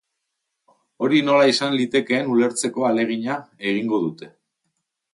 Hori nola izan litekeen ulertzeko ahalegina egingo dute.